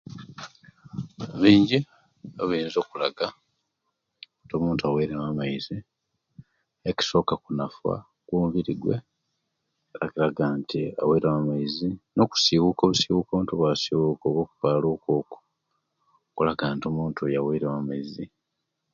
Binji ebiyinza okulaga nti omuntu aweremu amaizi ekisoka kunafuwala kwomubiri gwe kiraga nti omubiri guweremu amaizi no kusibuka obusibuki omuntu obwasibuka okupaluka okwo kulaga nti omuntu oyo aweremu amaizi